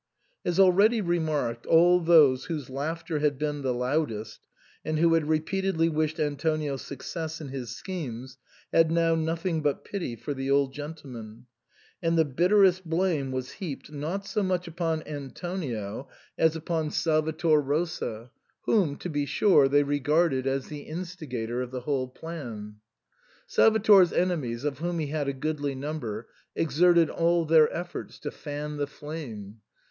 As already remarked, all those whose laughter had been the loudest, and who had repeatedly wished An tonio success in his schemes, had now nothing but pity for the old gentleman ; and the bitterest blame was heaped, not so much upon Antonio, as upon Salvator 152 SIGN OR FORMICA. Rosa, whom, to be sure, they regarded as the instigator of the whole plan. Salvator's enemies, of whom he had a goodly number, exerted all their efforts to fan the flame.